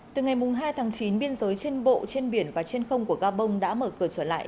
từ ngày hai tháng chín biên giới trên bộ trên biển và trên không của gabon đã mở cửa trở lại